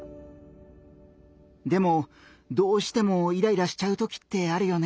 でもどうしてもイライラしちゃうときってあるよね？